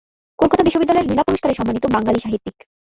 কলকাতা বিশ্ববিদ্যালয়ের লীলা পুরস্কারে সম্মানিত বাঙালি সাহিত্যিক।